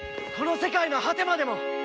この世界の果てまでも！